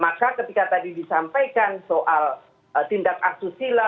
maka ketika tadi disampaikan soal tindak asusila